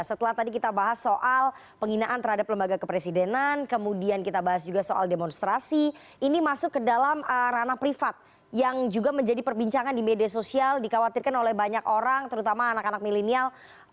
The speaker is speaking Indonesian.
setelah tadi kita bahas soal penghinaan terhadap lembaga kepresidenan kemudian kita bahas juga soal demonstrasi ini masuk ke dalam ranah privat yang juga menjadi perbincangan di media sosial dikhawatirkan oleh banyak orang terutama anak anak milenial